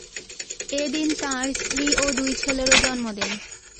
এদিন তাঁর স্ত্রী ও দুই ছেলেরও জন্মদিন।